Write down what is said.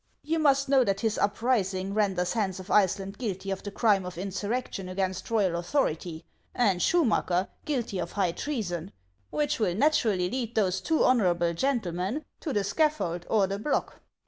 You must know that his uprising ren ders Hans of Iceland guilty of the crime of insurrection against royal authority, and Schumacker guilty of high treason, which will naturally lead those two honorable gentlemen to the scaffold or the block.